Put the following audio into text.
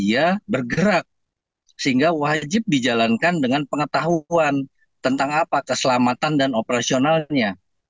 soal berkendara sepeda listrik tersebut tidak mengatur sanksi bagi